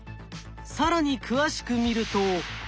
更に詳しく見ると。